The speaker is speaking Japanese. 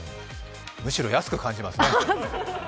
むしろ安く感じますね。